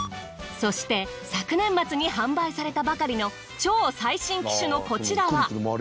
そして昨年末に販売されたばかりの超最新機種のこちらは。